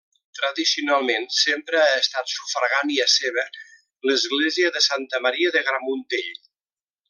Tradicionalment sempre ha estat sufragània seva l'església de Santa Maria de Gramuntell.